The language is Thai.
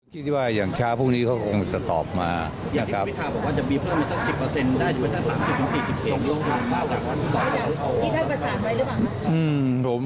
คิดว่าอย่างเช้าพรุ่งนี้เขาคงจะตอบมานะครับ